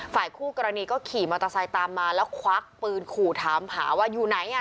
ฝ่ายคู่กรณีก็ขี่มอเตอร์ไซค์ตามมาแล้วควักปืนขู่ถามหาว่าอยู่ไหนอ่ะ